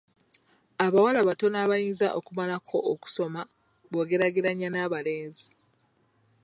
Abawala batono abayinza okumalako okusoma bwogeraageranya n'abalenzi.